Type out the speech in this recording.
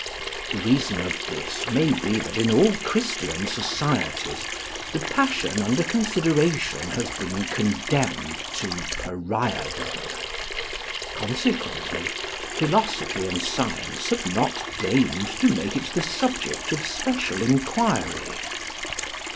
The reason of this may be that in all Christian societies the passion under consideration has been condemned to pariahdom; consequently, philosophy and science have not deigned to make it the subject of special enquiry.